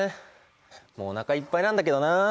もうおなかいっぱいなんだけどな。